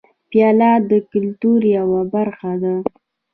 پیاله د کلتور یوه برخه ده.